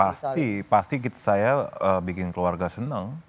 pasti pasti saya bikin keluarga senang